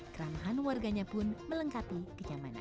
keramahan warganya pun melengkapi kenyamanan